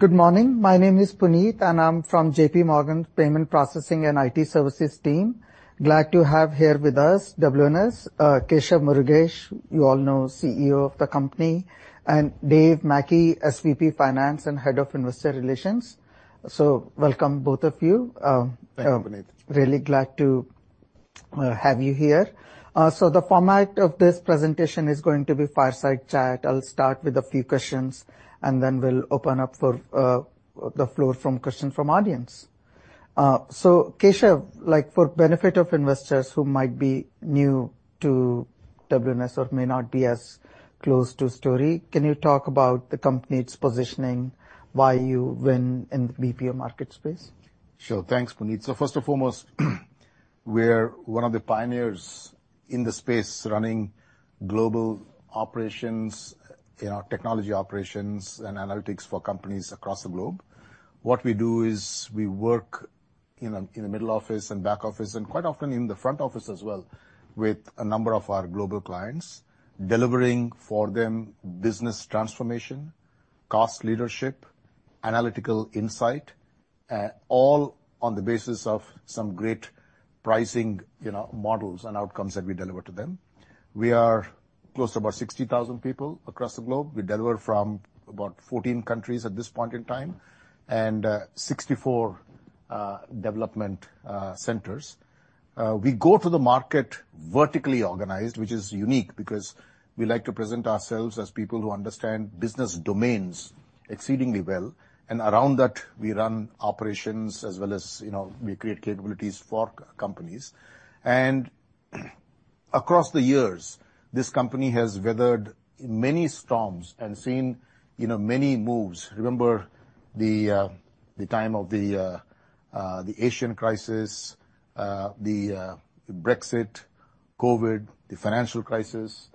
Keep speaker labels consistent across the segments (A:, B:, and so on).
A: Good morning. My name is Puneet, and I'm from JPMorgan's Payment Processing and IT Services team. Glad to have here with us WNS, Keshav Murugesh, you all know, CEO of the company, and Dave Mackey, SVP Finance and Head of Investor Relations. So welcome, both of you.
B: Thank you, Puneet.
A: Really glad to have you here. So the format of this presentation is going to be fireside chat. I'll start with a few questions, and then we'll open up for the floor from questions from audience. So Keshav, for the benefit of investors who might be new to WNS or may not be as close to story, can you talk about the company's positioning, why you win in the BPO market space?
B: Sure. Thanks, Puneet. So first and foremost, we're one of the pioneers in the space, running global operations, technology operations, and analytics for companies across the globe. What we do is we work in the middle office and back office, and quite often in the front office as well, with a number of our global clients, delivering for them business transformation, cost leadership, analytical insight, all on the basis of some great pricing models and outcomes that we deliver to them. We are close to about 60,000 people across the globe. We deliver from about 14 countries at this point in time and 64 development centers. We go to the market vertically organized, which is unique because we like to present ourselves as people who understand business domains exceedingly well. And around that, we run operations as well as we create capabilities for companies. And across the years, this company has weathered many storms and seen many moves. Remember the time of the Asian crisis, the Brexit, COVID, the financial crisis.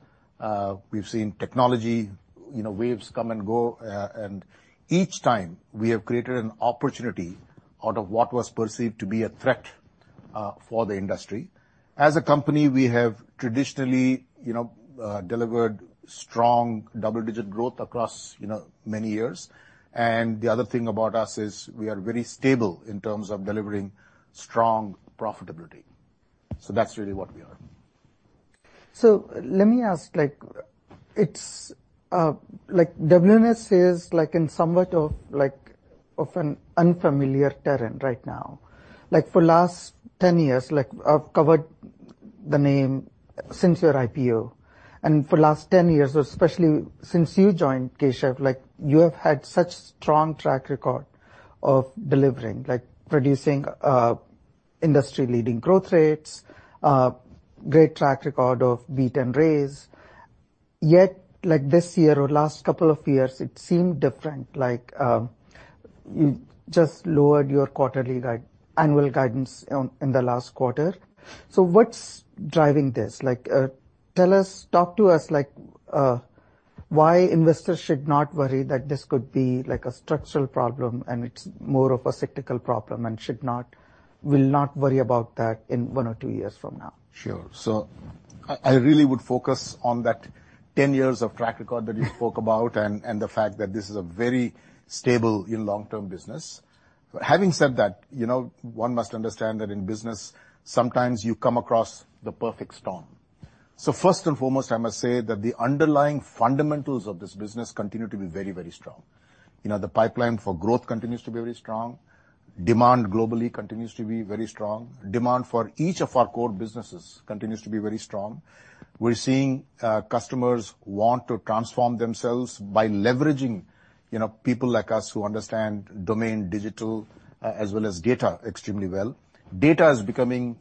B: We've seen technology waves come and go. And each time, we have created an opportunity out of what was perceived to be a threat for the industry. As a company, we have traditionally delivered strong double-digit growth across many years. And the other thing about us is we are very stable in terms of delivering strong profitability. So that's really what we are.
A: So let me ask, WNS is in somewhat of an unfamiliar terrain right now. For the last 10 years, I've covered the name since your IPO. And for the last 10 years, especially since you joined, Keshav, you have had such a strong track record of delivering, producing industry-leading growth rates, a great track record of beat and raise. Yet this year or last couple of years, it seemed different. You just lowered your annual guidance in the last quarter. So what's driving this? Talk to us why investors should not worry that this could be a structural problem and it's more of a cyclical problem and will not worry about that in one or two years from now.
B: Sure. So I really would focus on that 10 years of track record that you spoke about and the fact that this is a very stable long-term business. Having said that, one must understand that in business, sometimes you come across the perfect storm. So first and foremost, I must say that the underlying fundamentals of this business continue to be very, very strong. The pipeline for growth continues to be very strong. Demand globally continues to be very strong. Demand for each of our core businesses continues to be very strong. We're seeing customers want to transform themselves by leveraging people like us who understand domain digital as well as data extremely well. Data is becoming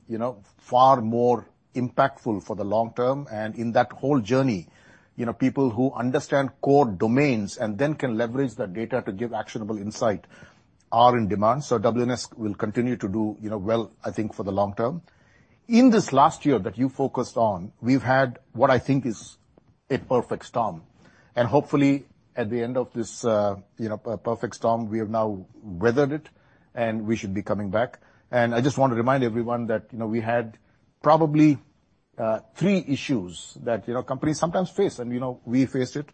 B: far more impactful for the long term. And in that whole journey, people who understand core domains and then can leverage the data to give actionable insight are in demand. So WNS will continue to do well, I think, for the long term. In this last year that you focused on, we've had what I think is a perfect storm. And hopefully, at the end of this perfect storm, we have now weathered it, and we should be coming back. And I just want to remind everyone that we had probably three issues that companies sometimes face, and we faced it.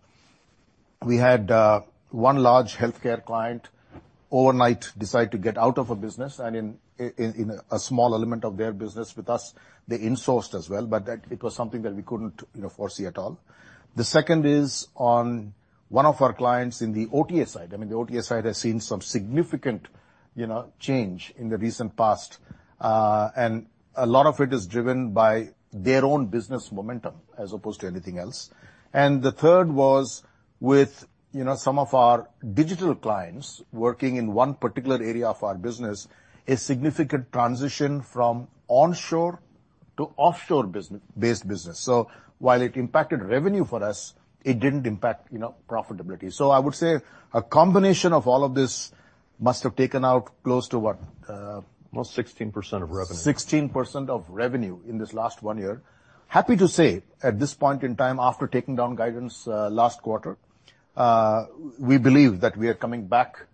B: We had one large healthcare client overnight decide to get out of a business, and in a small element of their business with us, they insourced as well. But it was something that we couldn't foresee at all. The second is on one of our clients in the OTA side. I mean, the OTA side has seen some significant change in the recent past, and a lot of it is driven by their own business momentum as opposed to anything else. And the third was with some of our digital clients working in one particular area of our business, a significant transition from onshore to offshore-based business. So while it impacted revenue for us, it didn't impact profitability. So I would say a combination of all of this must have taken out close to what?
C: Almost 16% of revenue.
B: 16% of revenue in this last one year. Happy to say at this point in time, after taking down guidance last quarter, we believe that we are coming back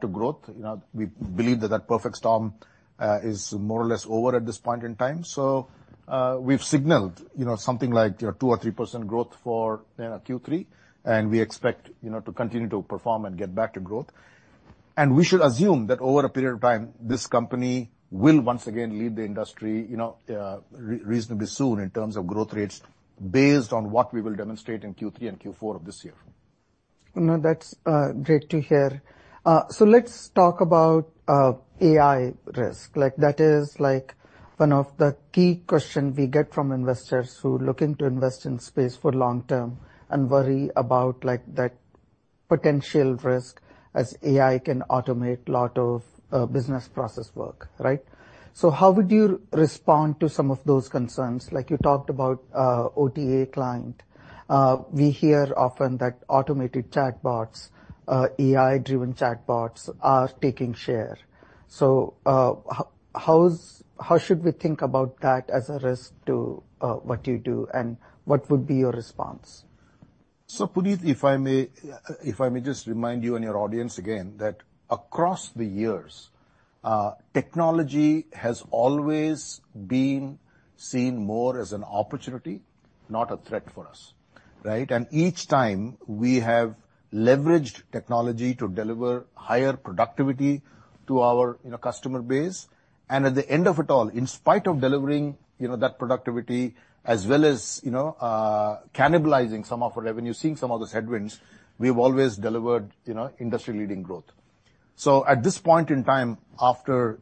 B: to growth. We believe that that perfect storm is more or less over at this point in time. So we've signaled something like 2% or 3% growth for Q3, and we expect to continue to perform and get back to growth. And we should assume that over a period of time, this company will once again lead the industry reasonably soon in terms of growth rates based on what we will demonstrate in Q3 and Q4 of this year.
A: That's great to hear. So let's talk about AI risk. That is one of the key questions we get from investors who are looking to invest in space for long term and worry about that potential risk as AI can automate a lot of business process work. So how would you respond to some of those concerns? You talked about an OTA client. We hear often that automated chatbots, AI-driven chatbots, are taking share. So how should we think about that as a risk to what you do, and what would be your response?
B: So Puneet, if I may just remind you and your audience again that across the years, technology has always been seen more as an opportunity, not a threat for us. And each time, we have leveraged technology to deliver higher productivity to our customer base. And at the end of it all, in spite of delivering that productivity as well as cannibalizing some of our revenue, seeing some of those headwinds, we have always delivered industry-leading growth. So at this point in time, after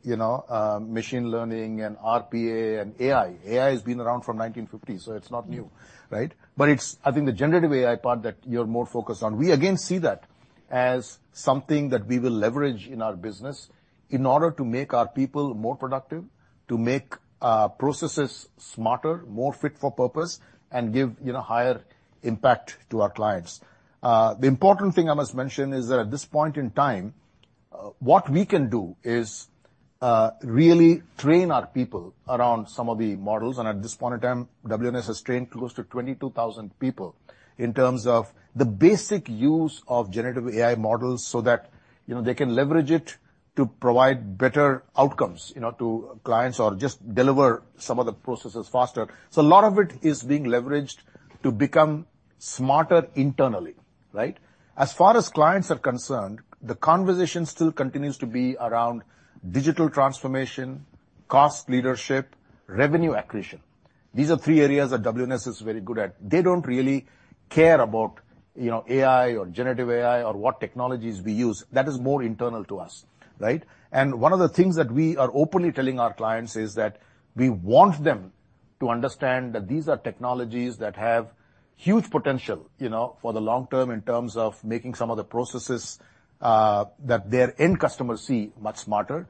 B: machine learning and RPA and AI, AI has been around from 1950, so it's not new. But I think the Generative AI part that you're more focused on, we again see that as something that we will leverage in our business in order to make our people more productive, to make processes smarter, more fit for purpose, and give higher impact to our clients. The important thing I must mention is that at this point in time, what we can do is really train our people around some of the models. And at this point in time, WNS has trained close to 22,000 people in terms of the basic use of Generative AI models so that they can leverage it to provide better outcomes to clients or just deliver some of the processes faster. So a lot of it is being leveraged to become smarter internally. As far as clients are concerned, the conversation still continues to be around digital transformation, cost leadership, revenue accretion. These are three areas that WNS is very good at. They don't really care about AI or Generative AI or what technologies we use. That is more internal to us. One of the things that we are openly telling our clients is that we want them to understand that these are technologies that have huge potential for the long term in terms of making some of the processes that their end customers see much smarter.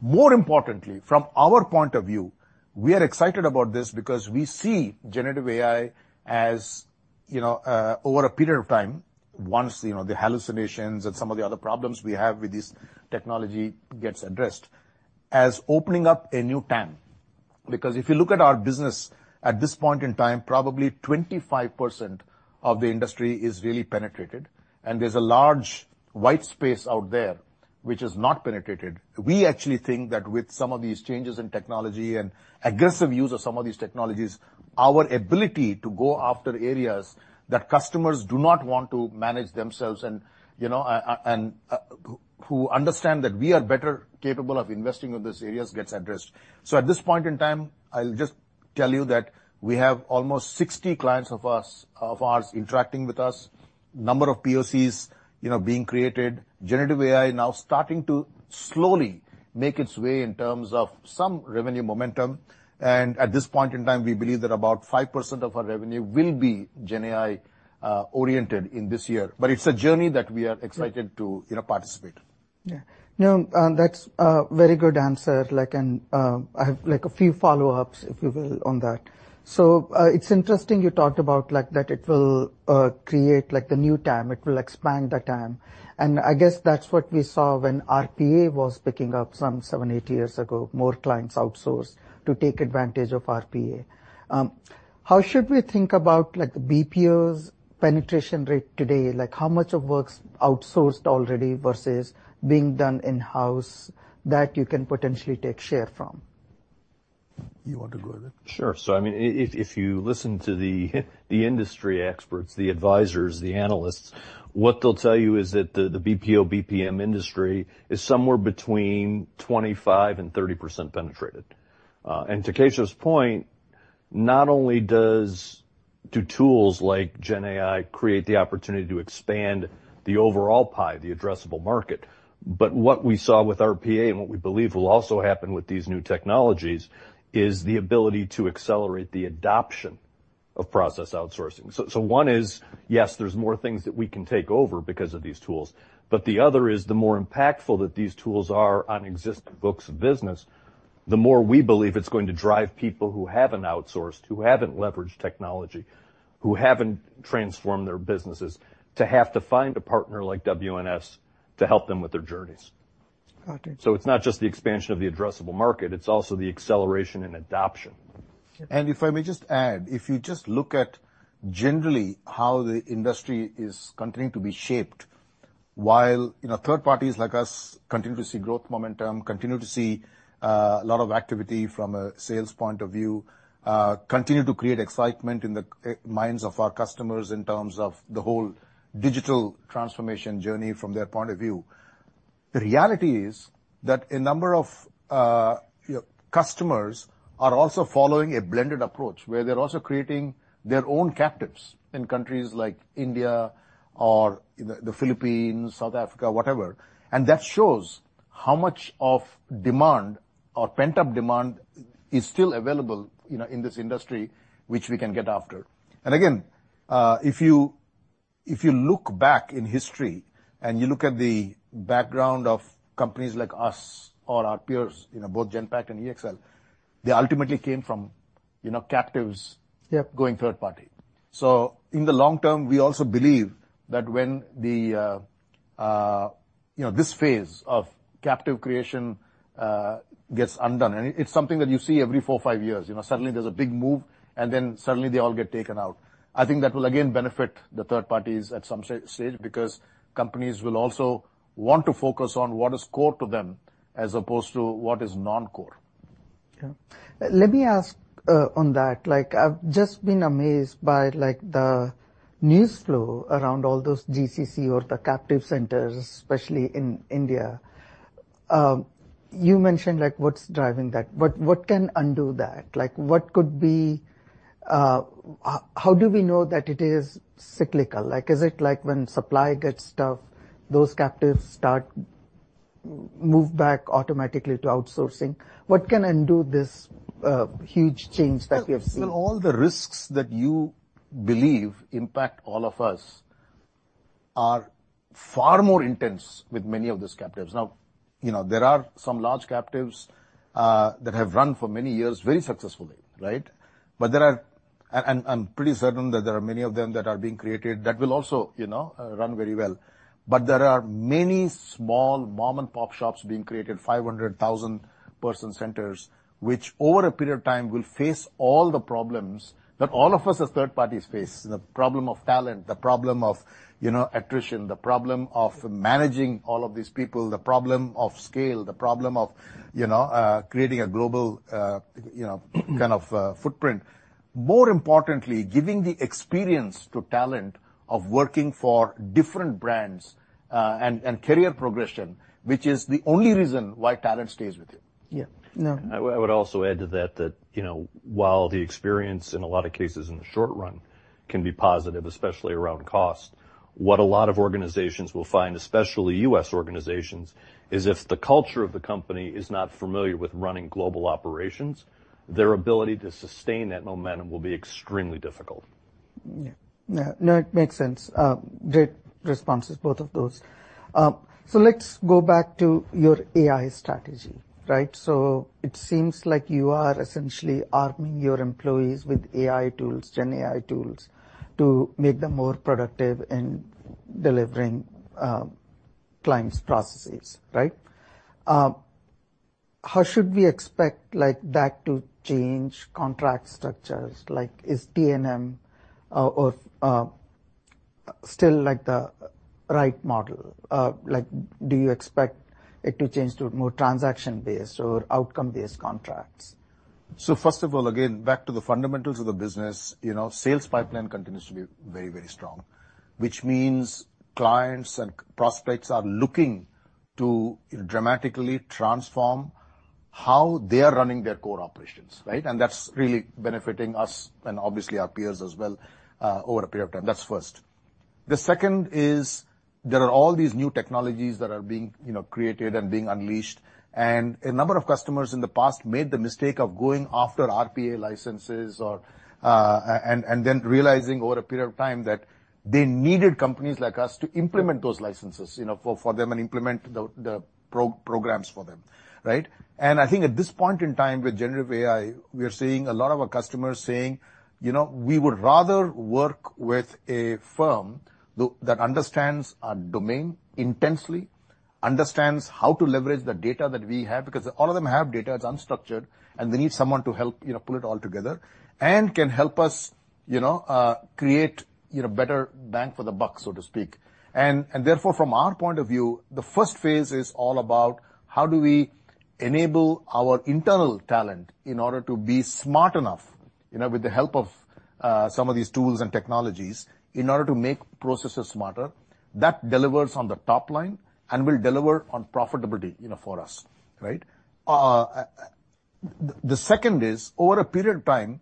B: More importantly, from our point of view, we are excited about this because we see Generative AI as, over a period of time, once the hallucinations and some of the other problems we have with this technology get addressed, as opening up a new TAM. Because if you look at our business at this point in time, probably 25% of the industry is really penetrated. There's a large white space out there which is not penetrated. We actually think that with some of these changes in technology and aggressive use of some of these technologies, our ability to go after areas that customers do not want to manage themselves and who understand that we are better capable of investing in those areas gets addressed. So at this point in time, I'll just tell you that we have almost 60 clients of ours interacting with us, a number of POCs being created. Generative AI is now starting to slowly make its way in terms of some revenue momentum, and at this point in time, we believe that about 5% of our revenue will be GenAI-oriented in this year, but it's a journey that we are excited to participate.
A: Yeah. No, that's a very good answer. And I have a few follow-ups, if you will, on that. So it's interesting you talked about that it will create the new TAM. It will expand the TAM. And I guess that's what we saw when RPA was picking up some seven, eight years ago, more clients outsourced to take advantage of RPA. How should we think about the BPO's penetration rate today? How much of work's outsourced already versus being done in-house that you can potentially take share from?
B: You want to go ahead.
C: Sure. So I mean, if you listen to the industry experts, the advisors, the analysts, what they'll tell you is that the BPO, BPM industry is somewhere between 25% and 30% penetrated. And to Keshav's point, not only do tools like GenAI create the opportunity to expand the overall pie, the addressable market, but what we saw with RPA and what we believe will also happen with these new technologies is the ability to accelerate the adoption of process outsourcing. So one is, yes, there's more things that we can take over because of these tools. But the other is the more impactful that these tools are on existing books of business, the more we believe it's going to drive people who haven't outsourced, who haven't leveraged technology, who haven't transformed their businesses to have to find a partner like WNS to help them with their journeys. So it's not just the expansion of the addressable market. It's also the acceleration and adoption.
B: And if I may just add, if you just look at generally how the industry is continuing to be shaped while third parties like us continue to see growth momentum, continue to see a lot of activity from a sales point of view, continue to create excitement in the minds of our customers in terms of the whole digital transformation journey from their point of view, the reality is that a number of customers are also following a blended approach where they're also creating their own captives in countries like India or the Philippines, South Africa, whatever. And that shows how much of demand or pent-up demand is still available in this industry, which we can get after. And again, if you look back in history and you look at the background of companies like us or our peers, both Genpact and EXL, they ultimately came from captives going third party. So in the long term, we also believe that when this phase of captive creation gets undone, and it's something that you see every four or five years, suddenly there's a big move, and then suddenly they all get taken out. I think that will again benefit the third parties at some stage because companies will also want to focus on what is core to them as opposed to what is non-core.
A: Yeah. Let me ask on that. I've just been amazed by the news flow around all those GCC or the captive centers, especially in India. You mentioned what's driving that. What can undo that? How do we know that it is cyclical? Is it like when supply gets tough, those captives start to move back automatically to outsourcing? What can undo this huge change that we have seen?
B: All the risks that you believe impact all of us are far more intense with many of those captives. Now, there are some large captives that have run for many years very successfully. But I'm pretty certain that there are many of them that are being created that will also run very well. But there are many small mom-and-pop shops being created, 500,000-person centers, which over a period of time will face all the problems that all of us as third parties face: the problem of talent, the problem of attrition, the problem of managing all of these people, the problem of scale, the problem of creating a global kind of footprint. More importantly, giving the experience to talent of working for different brands and career progression, which is the only reason why talent stays with you.
C: Yeah. I would also add to that that while the experience in a lot of cases in the short run can be positive, especially around cost, what a lot of organizations will find, especially U.S. organizations, is if the culture of the company is not familiar with running global operations, their ability to sustain that momentum will be extremely difficult.
A: Yeah. No, it makes sense. Great responses, both of those. So let's go back to your AI strategy. So it seems like you are essentially arming your employees with AI tools, GenAI tools, to make them more productive in delivering clients' processes. How should we expect that to change, contract structures? Is T&M still the right model? Do you expect it to change to more transaction-based or outcome-based contracts?
B: First of all, again, back to the fundamentals of the business, sales pipeline continues to be very, very strong, which means clients and prospects are looking to dramatically transform how they are running their core operations, and that's really benefiting us and obviously our peers as well over a period of time. That's first. The second is there are all these new technologies that are being created and being unleashed, and a number of customers in the past made the mistake of going after RPA licenses and then realizing over a period of time that they needed companies like us to implement those licenses for them and implement the programs for them. I think at this point in time with Generative AI, we are seeing a lot of our customers saying, "We would rather work with a firm that understands our domain intensely, understands how to leverage the data that we have," because all of them have data. It's unstructured, and they need someone to help pull it all together and can help us create a better bang for the buck, so to speak. Therefore, from our point of view, the first phase is all about how do we enable our internal talent in order to be smart enough with the help of some of these tools and technologies in order to make processes smarter that delivers on the top line and will deliver on profitability for us. The second is over a period of time,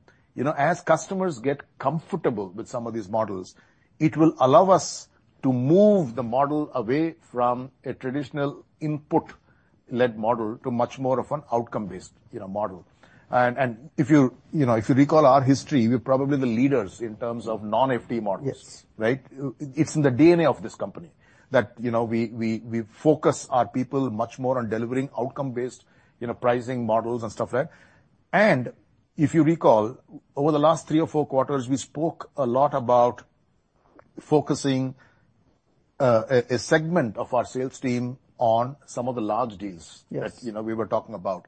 B: as customers get comfortable with some of these models, it will allow us to move the model away from a traditional input-led model to much more of an outcome-based model, and if you recall our history, we're probably the leaders in terms of non-FTE models. It's in the DNA of this company that we focus our people much more on delivering outcome-based pricing models and stuff like that, and if you recall, over the last three or four quarters, we spoke a lot about focusing a segment of our sales team on some of the large deals that we were talking about.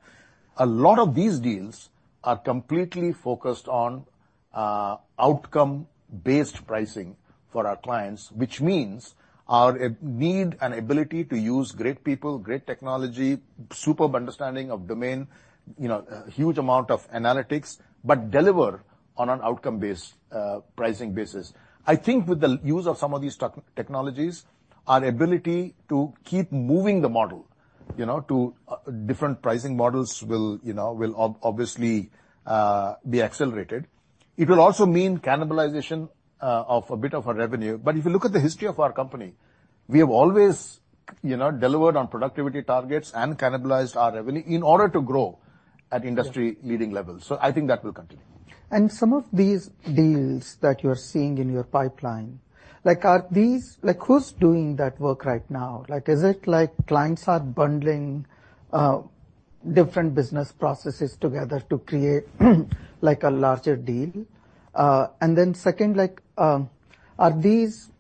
B: A lot of these deals are completely focused on outcome-based pricing for our clients, which means our need and ability to use great people, great technology, superb understanding of domain, huge amount of analytics, but deliver on an outcome-based pricing basis. I think with the use of some of these technologies, our ability to keep moving the model to different pricing models will obviously be accelerated. It will also mean cannibalization of a bit of our revenue. But if you look at the history of our company, we have always delivered on productivity targets and cannibalized our revenue in order to grow at industry-leading levels. So I think that will continue.
A: Some of these deals that you are seeing in your pipeline, who's doing that work right now? Is it like clients are bundling different business processes together to create a larger deal? Then second, are these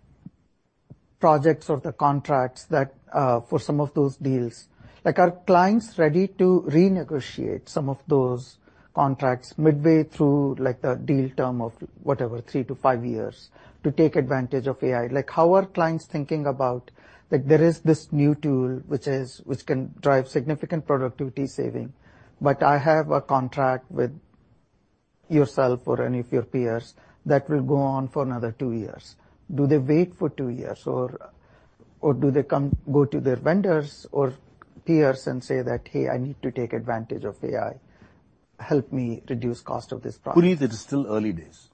A: projects or the contracts for some of those deals, are clients ready to renegotiate some of those contracts midway through the deal term of whatever, three to five years to take advantage of AI? How are clients thinking about there is this new tool which can drive significant productivity saving, but I have a contract with yourself or any of your peers that will go on for another two years. Do they wait for two years, or do they go to their vendors or peers and say that, "Hey, I need to take advantage of AI. Help me reduce the cost of this project"?
B: Who needs it? It's still early days.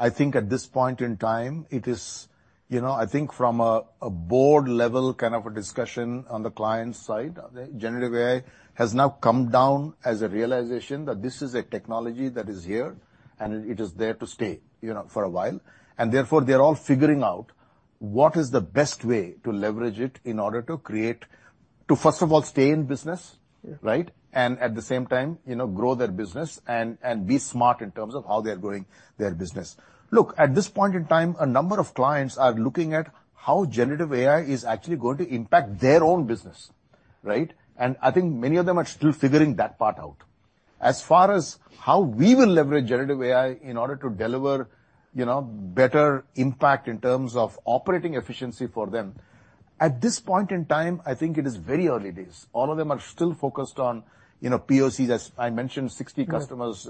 B: I think at this point in time, it is, I think, from a board-level kind of a discussion on the client's side, Generative AI has now come down as a realization that this is a technology that is here, and it is there to stay for a while, and therefore, they're all figuring out what is the best way to leverage it in order to create, to first of all, stay in business and at the same time grow their business and be smart in terms of how they're growing their business. Look, at this point in time, a number of clients are looking at how Generative AI is actually going to impact their own business, and I think many of them are still figuring that part out. As far as how we will leverage Generative AI in order to deliver better impact in terms of operating efficiency for them, at this point in time, I think it is very early days. All of them are still focused on POCs. As I mentioned, 60 customers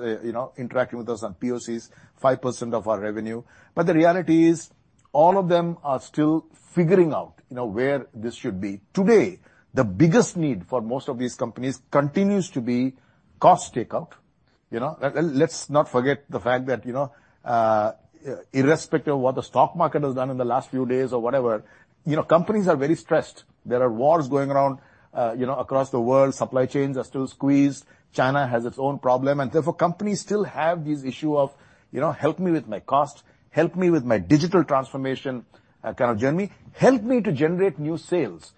B: interacting with us on POCs, 5% of our revenue. But the reality is all of them are still figuring out where this should be. Today, the biggest need for most of these companies continues to be cost takeout. Let's not forget the fact that irrespective of what the stock market has done in the last few days or whatever, companies are very stressed. There are wars going around across the world. Supply chains are still squeezed. China has its own problem. And therefore, companies still have this issue of, "Help me with my cost. Help me with my digital transformation kind of journey. Help me to generate new sales."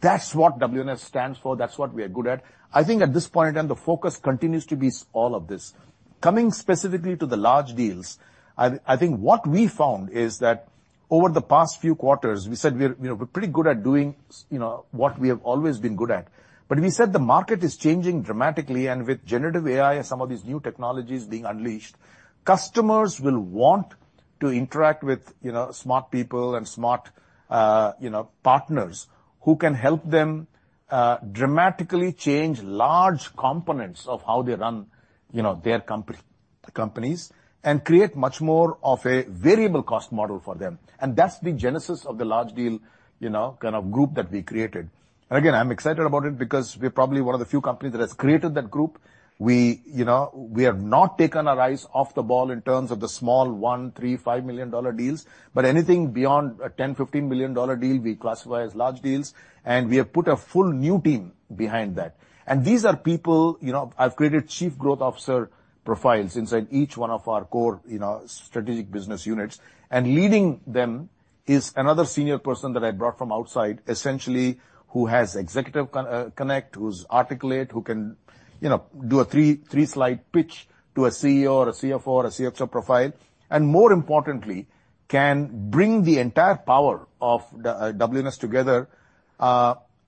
B: That's what WNS stands for. That's what we are good at. I think at this point in time, the focus continues to be all of this. Coming specifically to the large deals, I think what we found is that over the past few quarters, we said we're pretty good at doing what we have always been good at. But we said the market is changing dramatically. And with Generative AI and some of these new technologies being unleashed, customers will want to interact with smart people and smart partners who can help them dramatically change large components of how they run their companies and create much more of a variable cost model for them. And that's the genesis of the large deal kind of group that we created. Again, I'm excited about it because we're probably one of the few companies that has created that group. We have not taken our eyes off the ball in terms of the small $1 million, $3 million, $5 million deals. Anything beyond a $10-$15 million deal, we classify as large deals. We have put a full new team behind that. These are people I've created Chief Growth Officer profiles inside each one of our core strategic business units. Leading them is another senior person that I brought from outside, essentially who has executive connect, who's articulate, who can do a three-slide pitch to a CEO or a CFO or a CXO profile, and more importantly, can bring the entire power of WNS together,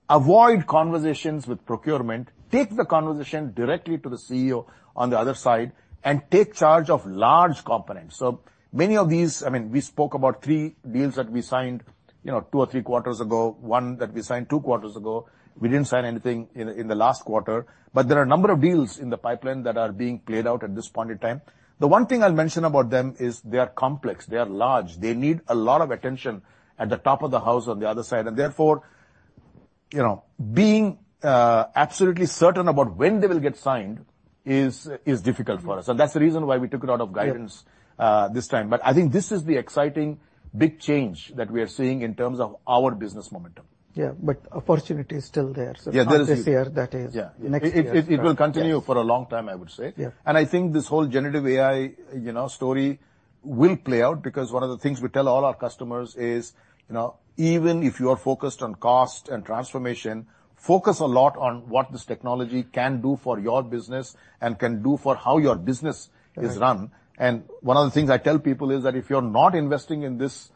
B: avoid conversations with procurement, take the conversation directly to the CEO on the other side, and take charge of large components. So many of these, I mean, we spoke about three deals that we signed two or three quarters ago, one that we signed two quarters ago. We didn't sign anything in the last quarter. But there are a number of deals in the pipeline that are being played out at this point in time. The one thing I'll mention about them is they are complex. They are large. They need a lot of attention at the top of the house on the other side. And therefore, being absolutely certain about when they will get signed is difficult for us. And that's the reason why we took it out of guidance this time. But I think this is the exciting big change that we are seeing in terms of our business momentum.
A: Yeah. But opportunity is still there. So this year, that is.
B: Yeah. It will continue for a long time, I would say, and I think this whole Generative AI story will play out because one of the things we tell all our customers is even if you are focused on cost and transformation, focus a lot on what this technology can do for your business and can do for how your business is run, and one of the things I tell people is that if you're not investing in this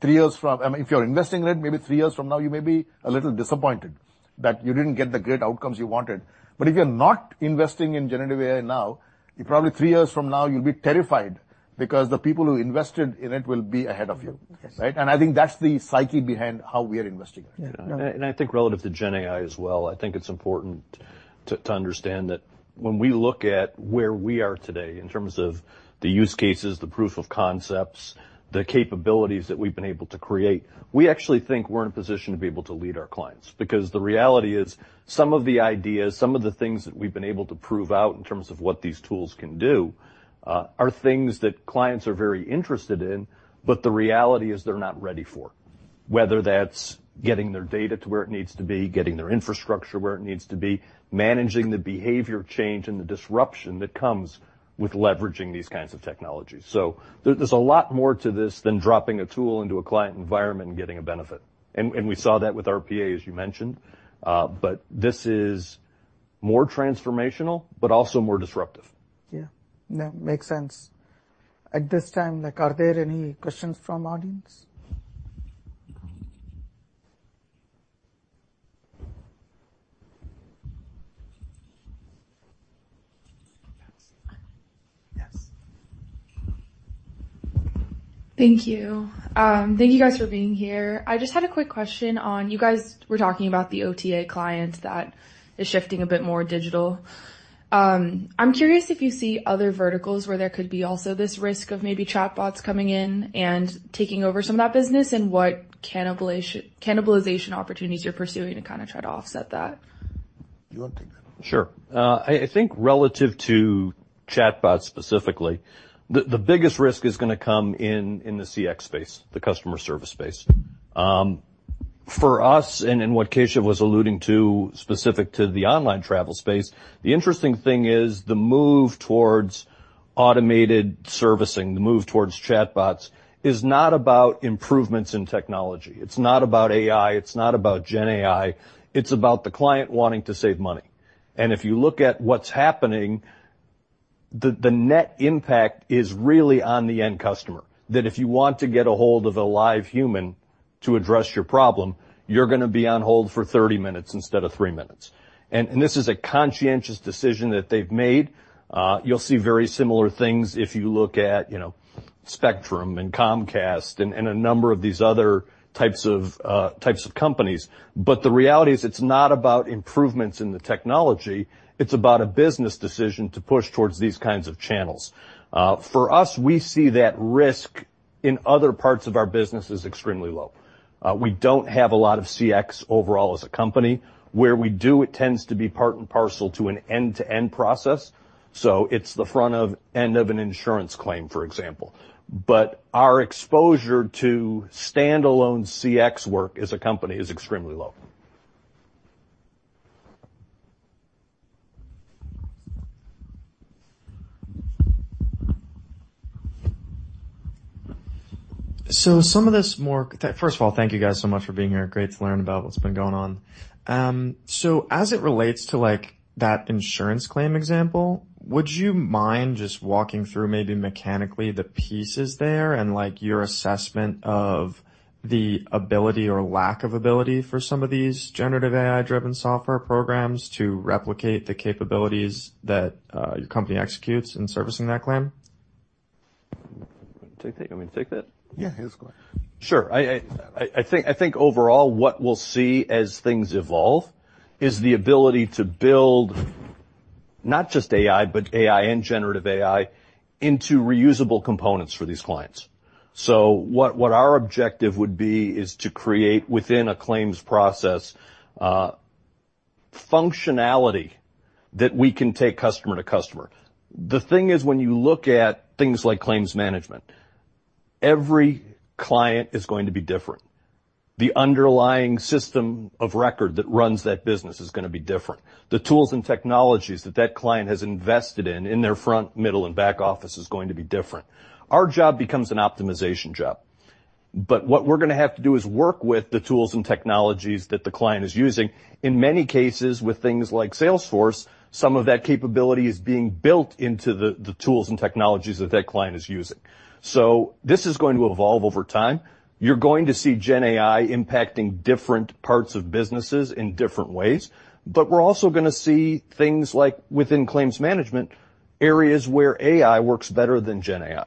B: three years from now. If you're investing in it, maybe three years from now, you may be a little disappointed that you didn't get the great outcomes you wanted, but if you're not investing in Generative AI now, probably three years from now, you'll be terrified because the people who invested in it will be ahead of you, and I think that's the psyche behind how we are investing in it.
C: I think relative to GenAI as well, I think it's important to understand that when we look at where we are today in terms of the use cases, the proof of concepts, the capabilities that we've been able to create, we actually think we're in a position to be able to lead our clients. Because the reality is some of the ideas, some of the things that we've been able to prove out in terms of what these tools can do are things that clients are very interested in, but the reality is they're not ready for, whether that's getting their data to where it needs to be, getting their infrastructure where it needs to be, managing the behavior change and the disruption that comes with leveraging these kinds of technologies. So there's a lot more to this than dropping a tool into a client environment and getting a benefit. And we saw that with RPA, as you mentioned. But this is more transformational, but also more disruptive.
A: Yeah. No, makes sense. At this time, are there any questions from audience?
D: Yes. Thank you. Thank you guys for being here. I just had a quick question on you guys were talking about the OTA client that is shifting a bit more digital. I'm curious if you see other verticals where there could be also this risk of maybe chatbots coming in and taking over some of that business and what cannibalization opportunities you're pursuing to kind of try to offset that?
C: Sure. I think relative to chatbots specifically, the biggest risk is going to come in the CX space, the customer service space. For us, and in what Keshav was alluding to specific to the online travel space, the interesting thing is the move towards automated servicing, the move towards chatbots is not about improvements in technology. It's not about AI. It's not about GenAI. It's about the client wanting to save money. And if you look at what's happening, the net impact is really on the end customer, that if you want to get a hold of a live human to address your problem, you're going to be on hold for 30 minutes instead of three minutes. And this is a conscientious decision that they've made. You'll see very similar things if you look at Spectrum and Comcast and a number of these other types of companies. But the reality is it's not about improvements in the technology. It's about a business decision to push towards these kinds of channels. For us, we see that risk in other parts of our business is extremely low. We don't have a lot of CX overall as a company. Where we do, it tends to be part and parcel to an end-to-end process. So it's the front end of an insurance claim, for example. But our exposure to standalone CX work as a company is extremely low. First of all, thank you guys so much for being here. Great to learn about what's been going on. As it relates to that insurance claim example, would you mind just walking through maybe mechanically the pieces there and your assessment of the ability or lack of ability for some of these Generative AI-driven software programs to replicate the capabilities that your company executes in servicing that claim? Take that. You want me to take that?
B: Yeah.
C: Sure. I think overall, what we'll see as things evolve is the ability to build not just AI, but AI and Generative AI into reusable components for these clients. So what our objective would be is to create within a claims process functionality that we can take customer to customer. The thing is, when you look at things like claims management, every client is going to be different. The underlying system of record that runs that business is going to be different. The tools and technologies that that client has invested in, in their front, middle, and back office is going to be different. Our job becomes an optimization job. But what we're going to have to do is work with the tools and technologies that the client is using. In many cases, with things like Salesforce, some of that capability is being built into the tools and technologies that client is using. So this is going to evolve over time. You're going to see GenAI impacting different parts of businesses in different ways. But we're also going to see things like within claims management, areas where AI works better than GenAI.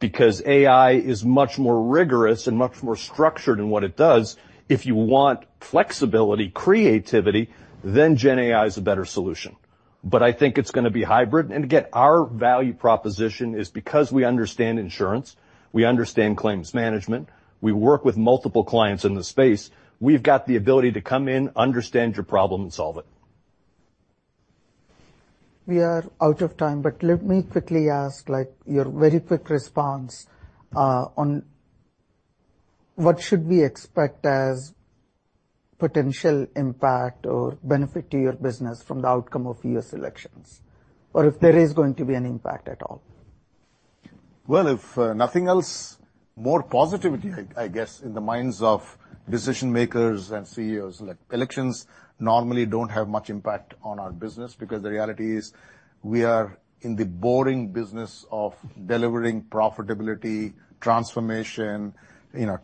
C: Because AI is much more rigorous and much more structured in what it does. If you want flexibility, creativity, then GenAI is a better solution. But I think it's going to be hybrid. And again, our value proposition is because we understand insurance, we understand claims management, we work with multiple clients in the space, we've got the ability to come in, understand your problem, and solve it.
A: We are out of time, but let me quickly ask your very quick response on what should we expect as potential impact or benefit to your business from the outcome of your elections? Or if there is going to be an impact at all?
B: If nothing else, more positivity, I guess, in the minds of decision-makers and CEOs. Elections normally don't have much impact on our business because the reality is we are in the boring business of delivering profitability, transformation,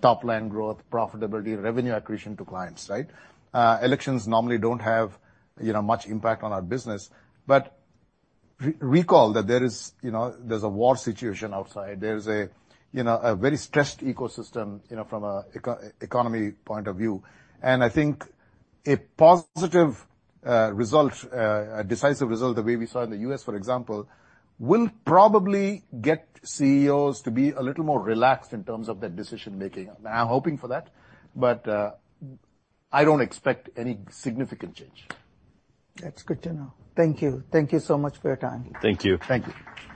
B: top-line growth, profitability, revenue accretion to clients. Elections normally don't have much impact on our business. But recall that there's a war situation outside. There's a very stressed ecosystem from an economy point of view. And I think a positive result, a decisive result, the way we saw in the U.S., for example, will probably get CEOs to be a little more relaxed in terms of their decision-making. I'm hoping for that. But I don't expect any significant change.
A: That's good to know. Thank you. Thank you so much for your time.
C: Thank you.
B: Thank you.